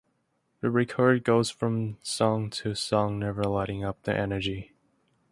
The record goes from song to song never letting up the energy.